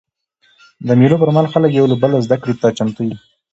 د مېلو پر مهال خلک یو له بله زدهکړې ته چمتو يي.